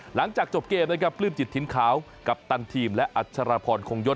หลังจากจบเกมนะครับปลื้มจิตถิ่นขาวกัปตันทีมและอัชรพรคงยศ